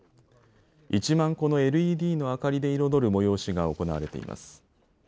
１万個のＬＥＤの明かりで彩る催しが行われています。